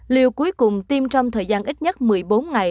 liều cuối cùng tiêm trong thời gian ít nhất một mươi bốn ngày